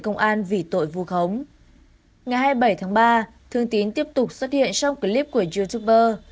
ngày hai mươi bảy tháng ba thương tín tiếp tục xuất hiện trong clip của youtuber